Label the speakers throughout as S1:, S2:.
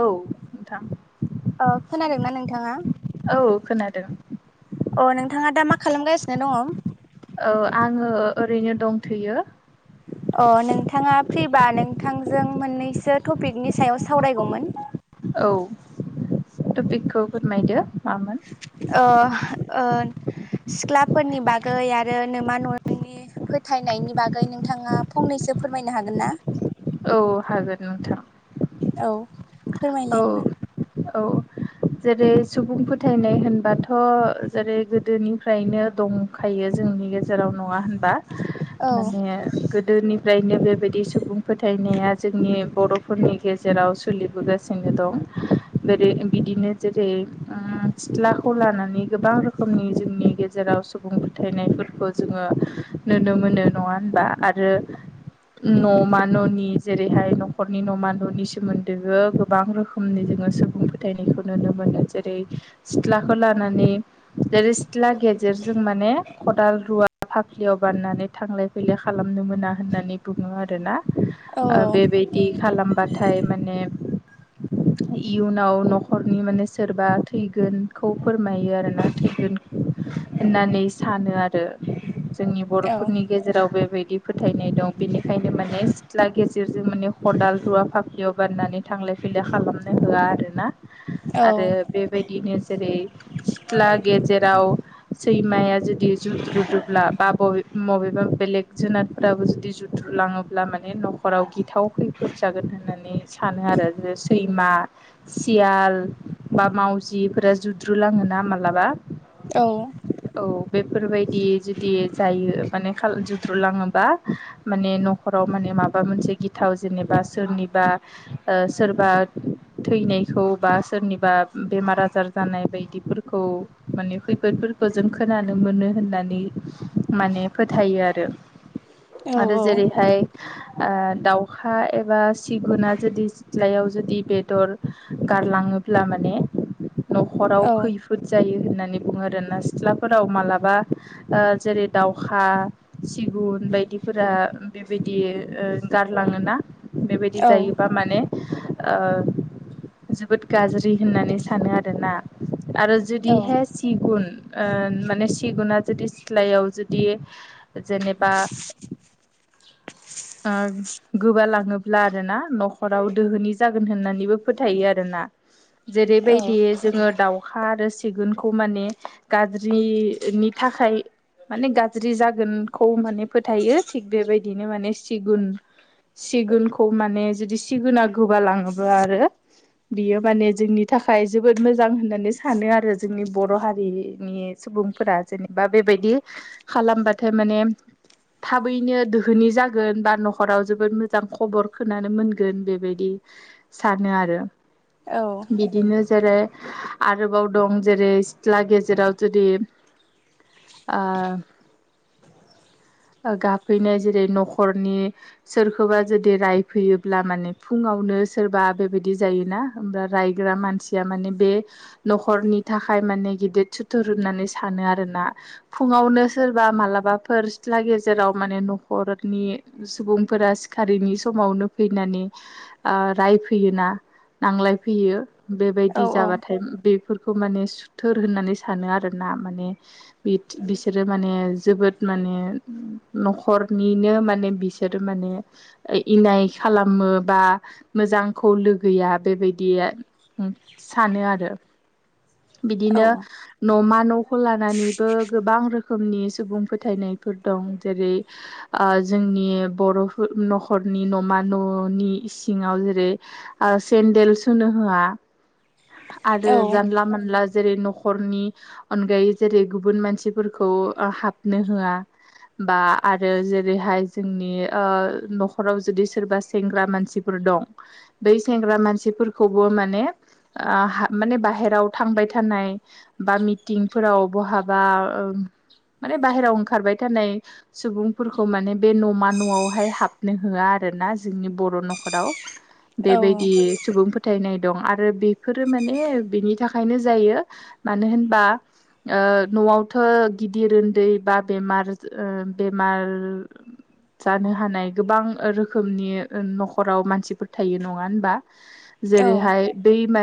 S1: औ नोंथां
S2: ओ खोनादोंना नोंथाङा
S1: औ खोनादों
S2: अ नोंथाङा दा मा खालामगासिनो दङ?
S1: औ आङो ओरैनो दंथोयो।
S2: अ नोंथाङा फ्रिबा नोंथांजों मोननैसो टपिकनि सायाव सावरायगौमोन।
S1: औ टपिकखौ फोरमायदो। मामोन
S2: ओ- ओ- सिथ्लाफोरनि बागै आरो नोमा न' नि नि फोथायनायनि बागै नोंथाङा फंनैसो फोरमायनो हागोन ना?
S1: औ हागोन नोंथां
S2: औ
S1: ।औ
S2: फोरमायलाय होमबा
S1: औ औ जेरै- सुबुं फोथायनाय होनबाथ' जेरै-गोदोनिफ्रायनो दंखायो जों नि गेजेराव, नङा होनबा?
S2: औ
S1: माने गोदोनिफ्रायनो बेबायदि सुबुं फोथायनाया जोंनि बर'फोरनि गेजेराव सोलिबोगासिनो दं। जेरै बिदिनो जेरै उम सिथ्लाखौ लानानै गोबां रोखोमनि जोंनि गेजेराव सुबुं फोथायनायफोरखौ जोङो नुनो मोनो। नङा होनबा? आरो न'मा न'नि जेरैहाय न'खरनि न'मा न'नि सोमोन्दैबो गोबां रोखोमनि जोङो सुबुं फोथायनाय बेखौ नुनो मोनो। जेरै सिथ्लाखौ लानानै जेरै सिथ्ला गेजेरजों माने खदाल, रुवा फाफ्लियाव बाननानै थांलाय-फैलाय खालामनो मोना होननानै बुङो आरोना
S2: औ
S1: ओ बेबायदि खालामबाथाय माने
S2: [inaudible]
S1: इयुनाव न'खरनि माने सोरबा थैगोनखौ फोरमायो आरोना थैगोन होननानै सानो आरो जोंनि
S2: औ
S1: बर'फोरनि गेजेराव बेबायदि फोथायनाय दं बेनिखायनो माने सिथ्ला गेजेरजों माने खदाल, रुवा फाफ्लियाव बाननानै थांलाय फैलाय खालामनो होआ आरो ना
S2: औ
S1: आरो बेबायदिनो जेरै-सिथ्ला गेजेराव सैमाया जुदि जुथ्रुदोब्ला बा बबे मबेबा बेलेग जुनादफोराबो जुदि जुद्रु लाङोब्ला मा‌ ने न'खराव गिथाव खैफोद जागोन होननानै सानो आरो जे सैमा सिया ल बा मावजिफोरा जुद्रुलाङोना मालाबा
S2: औ
S1: औ बेफोरबायदि जुदि जायो माने खाल जुद्रुलाङोबा माने न'खराव माने माबा मोनसे गिथाव जेनेबा सोरनिबा ओ सोरबा थैनायखौ बा सोरनिबा बेमार-आजार जानाय बायदिफोरखौ माने खैफोद फोर खौ जों खोनानो मोनो होननानै माने फोथायो आरो। आरो जेरैहाय ओ दाउखा एबा सिगुना जुदि सिथ्लायाव जुदि बेदर गार लाङोब्ला माने न'खराव
S2: औ
S1: खैफोद जायो होननानै बुङो आरोना सिथ्लाफोराव मालाबा ओ जेरै-दावखा, सिगुन बाय दिफोरा बेबायदि ओ गारलाङो ना बेबायदि
S2: औ
S1: जायोबा माने ओ जोबोद गाज्रि होननानै सानो आरोना। आरो जुदिहाय सिगुन ओ माने सिगुना जुदि सिथ्लायाव जुदि जेनेबा
S2: [inaudible]
S1: ओ गोबालाङोब्ला आरो ना न'खराव दोहोनि जागोन होननानैबो फोथायो आरो ना। जेरैबायदि जोङो दाउ खा आरो सिगुनखौ माने गाज्रिनि थाखाय माने गाज्रि जागोनखौ माने फोथायो थिग बेबाय दिनो माने सिगुन-सिगुनखौ माने जुदि सिगना गोबा लाङोब्ला आरो बियो माने जोंनि थाखाय जोबोद मोजां होननानै सानो आरो जोंनि बर' हारिनि सुबुंफोरा जेनेबा बेबायदि खालामबाथाय माने थाबैनो दो होनि जागोन बा न'खराव जोबोद मोजां खबर खोनानो मोनगोन बेबायदि सानो आरो।
S2: औ
S1: बिदिनो जेरै आरोबाव दं जेरै सिथ्ला गेजेराव जुदि ओ गाबफैनाय जे रै न'खरनि सोरखौबा जुदि रायफैयोब्ला माने फुङावनो सोरबा बेबायदि जायो ना होमबाथ रायग्रा मानसिया माने बे न'खरनि थाखाय माने गेदिर सुथुर होननानै सानो आरोना फुङावनो सोरबा मालाबाफोर सिथ्ला गेजेराव माने न' खरनि सुबुंफोरा सिखारिनि समावनो फैनानै ओ रायफैयोना नांलायफैयो
S2: औ
S1: बेबायदि जाबाथाय बे फोरखौ माने सुथोर होननानै सानो आरोना माने बि-बिसोरो माने जोबोद माने न'खर निनो माने बिसोर माने ओ इनाय खालामो बा मोजांखौ गैया बेबायदि सानो आरो
S2: औ
S1: बिदिनो न'मा न'खौ लानानैबो गोबां रोखोमनि सुबुं फोथायनायफोर दं जेरै ओ जोंनि बर'फो न'खरनि न'मा न'नि इसिङाव जेरै से नदेल सोनो होआ आरो जानला मोनला जेरै न'खरनि अनगायै जेरै गुबुन मानसिफोरखौ ओ हाबनो होआ बा आरो जेरैहाय जोंनि ओ न'खराव जुदि सोरबा सेंग्रा मानसिफोर दं दै सेंग्रा मानसिफोरखौबो माने ओ माने बाहेराव थांबाय थानाय बा मिटिंफोराव बहाबा ओ माने बाहेरायाव ओंखारबाय थानाय सुबुंफोरखौ माने बे न'मा न'आवहाय हाबनो होया । आरोना जोंनि बर' न'खराव। बेबायदि सुबुं फोथायनाय दं आरो बे फोरो माने बिनि थाखायनो जायो मानो होनबा ओ न'आवथ' गिदिर उन्दै बा बेमार ओ‌ बेमार जानो हानाय गोबां ओ रोखोमनि ओ न'खराव मानसिफोर थायो नङा होनबा? जेरै'हाय बै मा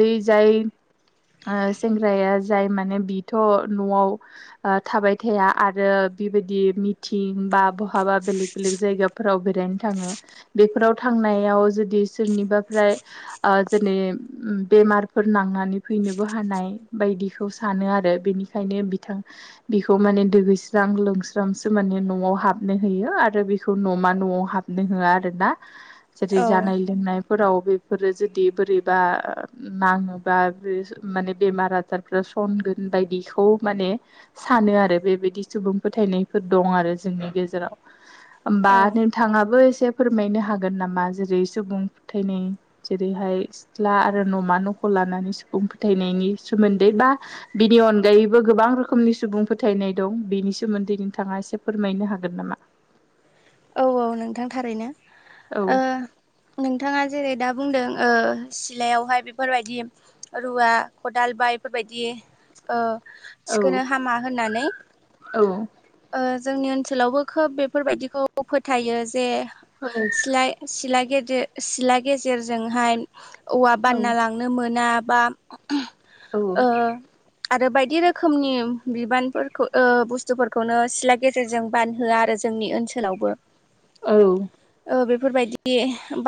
S1: बै जाय ओ सेंग्राया जाय माने बिथ' न'आव ओ थाबाय थाया आरो बेबायदि मिथिं बा बहाबा बेलेग बेलेग जायगाफोराव बेरायनो थाङो। बेफोराव थाङ थांनायाव जुदि सोरनिबाफ्राय जेनै उम बेमारफोर नांनानै फैनोबो हानाय बायदिखौ सानो आरो बेनिखायनो बिथां बेखौ माने दगैस्रां लोंस्रांसो माने न'आव हाबनो होयो आरो बेखौ न'मा न' न'वा हाबनो होआोना जेरै
S2: औ
S1: जानाय लोंनायफोराव बेफोरो जुदि बोरै बा नाङोबा बे माने बेमार आजारफ्रा सनगोन बायदिखौ माने ने सानो आरो बेबायदि सुबुं फोथायनायफोर दं आरो जोंनि गेजेराव होमबा
S2: औ
S1: नोंथाङाबो एसे से फोरमायनो हागोन नामा जेरै सुबुं फोथायनाय जेरै'हाय सिख्ला आरो न'मा न'खौ लानानै सुखुं फोथायनायनि सोमोन्दै बा बिनि अनगायैबो गोबां गोबां रोखोमनि सुबुं फोथायनाय दं बेनि सोमोन्दै नोंथाङा एसे फोरमायनो हागोन नामा?
S2: औ औ नोंथां थारैनो
S1: औ
S2: ओ नोंथाङा जेरै' दा बुंदों ओ सिलायावहाय बेफोरबायदि रुवा खदाल बायफोरबायदि ओ
S1: औ
S2: थिखोनो हामा होननानै
S1: औ
S2: ओ जोंनि ओनसोलावबो खोब बेफोरबायदिखौ फोथायो जे सिला सिला गेट जे सिथला गेजेरजोंहाय औवा
S1: औ
S2: बानना लांनो मोना बा
S1: औ
S2: ओ आरो बायदि रोखोमनि बिबानफोरखौ बुस्थुफोरखौनो सिथला गेजेरजों बानहोआ आरो जोंनि ओनसोलावबो।
S1: औ।
S2: ओ बेफोरबायदि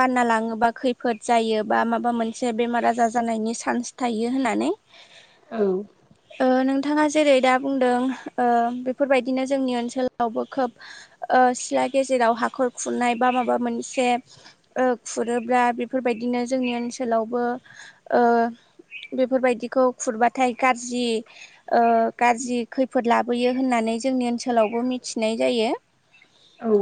S2: बानना लाङोबा खैफोद जायो बा माबा मोनसे बेमार आजार जानायनि स चान्स थायो होननानै
S1: औ।
S2: ओ नोंथाङा जेरै' दा बुंदों ओ बेफोरबायदिनो जोंनि ओनसोलावबो खोब ओ सिला गेजेराव हाखर खुरनाय बा माबा मोनसे ओ खुरोब्ला बेफोरबायदि नो जोंनि ओनसोलावबो ओ बेफोरबायदिखौ खुरबाथाय गाज्रि ओ गाज्रि खैफोद लाबोयो होननानै जोंनि ओनसोलावबो मिथिनाय जायो।
S1: औ।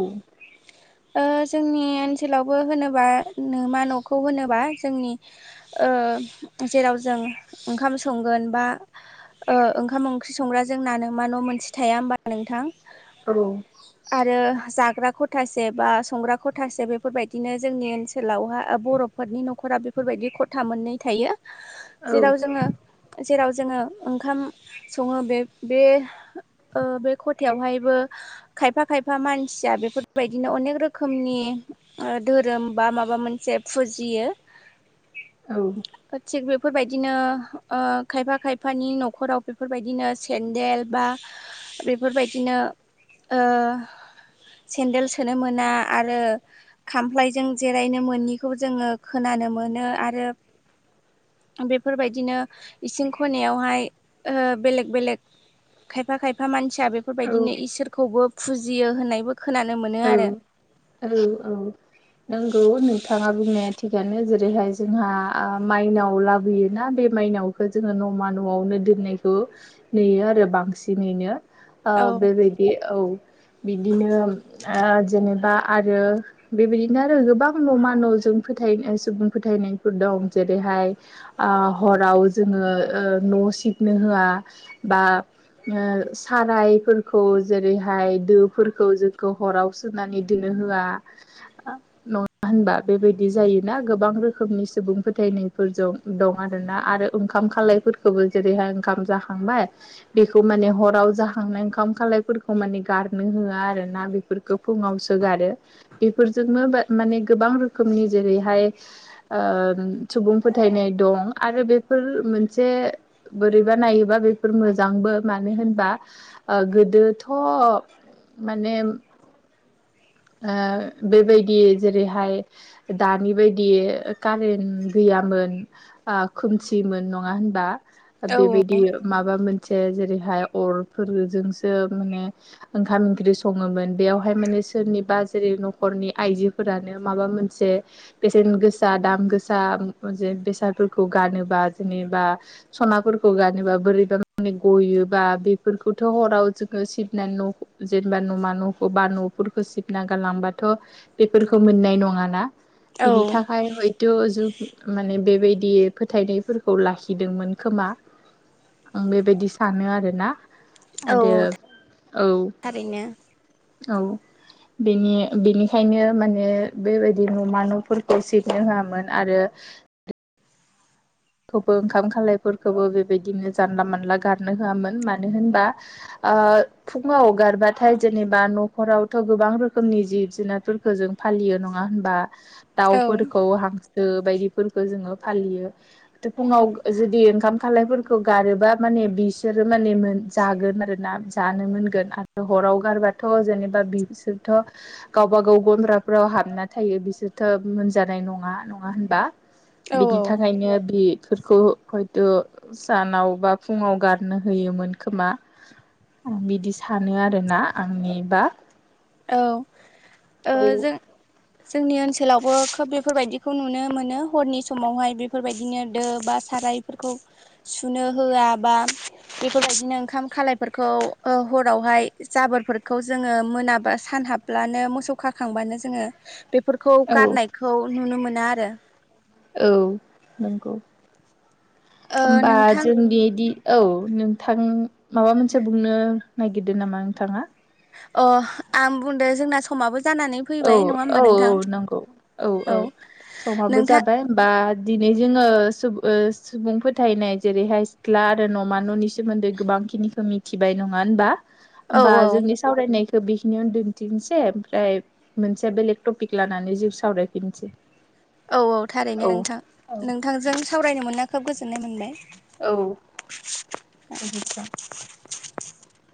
S2: ओ जोंनि ओनसोलावबो होनोबा नोमा न'खौ होनोबा जोंनि ओ जेराव जों ओंखाम संगोन बा ओ ओंखाम ओंख्रि संग्राजों जोंना नोमा न' मोनसे थाया होनोमबा नोंथां।
S1: औ।
S2: ओ आरो जाग्रा खथासे बा संग्रा खथासे बेफोरबायदिनो जोंनि ओनसोलावहा बर'फ फोदनि न'खरा बेफोरबायदि खथा मोननै थायो जेराव जोङो जेराव जोङो ओंखाम सङो बे बे ओ‌ बे खथायावहायबो खायफा खायफा मानसिया बेफोरबायदिनो अनेक रोखोमनि धोरोम बा माबा मोनसे फुज जियो थिख बेब बेफोरबायदिनो ओ खायफा खायफानि न'खराव बेफोरबायदिनो सेन्देल बा बेफोरबायदिनो ओ सेन्देल सोनो मोना आरो खामफ्लायजों जिरायनो मोननिखौबो जोङो खोनानो मोनो आरो। बेफोरबायदिनो इसिं खनायावहाय ओ बेलेग बेलेक खायफा खायफा मानसिया
S1: औ
S2: बेफोरबायदिनो इसोरखौबो फुजियो होननायबो खोनानो मोनो
S1: औ
S2: आरो
S1: औ औ नंगौ नोंथाङाबो। बुंनाया थिगानो जेरैहाय जोंहा माइनाव लाबोयोना बे माइनावखौ जोङो न'मा न' न'आवनो दोननायखौ नुयो आरो बांसिनैनो ओ
S2: औ
S1: बेबायदि औ बिदिनो ओ जेनेबा आरो बेबायदिनो आरो गोबां न'मा न'जों फोथाय सुबुं फोथाय फोथायनायफोर दं जेरैहाय हराव जोङो न' सिबनो होआ बा ओ सारायफोरखौ जेरैहाय दोफोरखौ हराव सोनानै दोननो होआ नङा होनबा बेबायदि जायोना गोबां रोखोमनि सुबुं फोथायनायफोरजों दं आरोना आरो ओंखाम खालायफोरखौबो जेरैहाय जाखांबाय बेखौ माने हराव जाखांनाय ओंखाम खालायफोरखौ मानेगारनो होआ आरो ना बेफोरखौ फुङाव सोगारो बेफोरजोंनो माने गोबां रोखोमनि जेरैहाय ओ सुबुं फोथायनाय दं आरो बेफोर मोनसे बोरैबा नाय बोरैबा बेफोर मोजाबो गोदोथ' [unintelligible]
S2: [inaudible]
S1: ओ बेबायदि जेरैहाय दानि बायदि कारेन्ट गैयामोन ओ खोमसिमोन नङा होनबा
S2: औ
S1: बेबायदि माबा मोनसे जेरै ओ अर फोरजोंहायसो ओमखाम ओंख्रि सङोमोन बेयावहाय माने सोरनिबा जेरै न'खरनि आइजोफोरानो माबा मोनसे बे ओ गोसा दाम गोसा बेसादफोरखौ गानोबा जेनेबा सनाफोरखौ गा जा बोरैबा मानि गयोबा बेफोरखौथ' हाव [unintelligible] बा न'मा न'खौ बा न'फोरखौ सिबना गारलांबाथ' बेफोरखौ मोननाय नङाना
S2: औ
S1: बिनि थाखायाय हयथ' जुग माने बेबायदि फोथायनायफोरखौ लाखिदोंमोन खोमा आं बेबायदि सानो आरोना आरो
S2: औ
S1: औ
S2: थारैनो
S1: औ बेनि बेनिखायनो माने बेबायदि न'मा न'फोरखौ सिबनो होआमोन आरो
S2: [inaudible]
S1: खौबो ओंखाम खालायफोरखौबो बेबायदिनो जानला मोनानला गारनो होआमोन मानो होनबा ओ फुङाव हगारबाथाय जेनेबा न'खरावथ' गोबां रोखोमनि जिब जुनारफोरखौ जों फालियो नङा होनबा
S2: औ
S1: दाउफोरखौ हांसो बायदिफोरखौ जोङो फालियो फुङाव जुदि ओंखाम खालायफोरखौ गारोबा माने बिसोरो माने मोन जागोन आरो ना मोन आरो हाव गारबाथ' जेनेबा बिसोरथ' गावबागाव गग्रा फ्रिव हाबना थायो बिसोरथ' मोनजानाय नङा नङा होनबा
S2: औ
S1: बिनि थाखायनो बेफोरखौ हयथ' सानाव बा फुङाव गारनो होयोमोन खोमा आं बिदि सानो आरोना आंनिबा
S2: औ ओ
S1: औ
S2: जों जोंनि ओनसोलावबो खोब बेफोरबायदिखौ नुनो मोनो हरनि समावहाय बेफोरबायदिनो दो बा सा सारायफोरखौ सुनो होया बा बेफोरबादिनो ओंखाम खालायफोरखौ हरावहाय जाबोर जोङो मोनाबा सान हाब्लानो मोसौ खाखांबानो जोङो बेफोरखौ गारनायखौ नुनो मोनो ना आरो
S1: औ नंगौ
S2: ओ
S1: होनबा
S2: नोंथां
S1: जोंनिदि औ नोंथां माबा मोनसे बुंनो नागिरदों नामा नोंथाङा।
S2: अ आं बुंदो जोंना समाबो जानानै फैबाय न
S1: औ औ नंगौ औ औ समाबो
S2: नोंथां
S1: जाबाय होमबा दिनै जोङो सुबुंफोरोथायैनाय जेरैहाय सिख्ला आरो न'मा न'नि सोमोन्दै गोबां खिनिखौ मिथिबाय। नङा होनोमबा
S2: औ
S1: होमबा
S2: औ
S1: जोंनि सावरायनायखौ बिखिनि आवनो दोनथनोसै ओमफ्राय मोनसेया बेलेग टपिक लानानै जिउ सावरायफिनसै!
S2: औ औ थारैनो नोंथां नोंथांजों सावरायनो मोना खोब गोजोननाय मोनबाय
S1: औ गोजोनथों।
S2: [unintelligible]